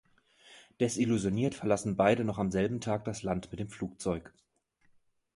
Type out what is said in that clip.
Desillusioniert verlassen beide noch am selben Tag das Land mit dem Flugzeug.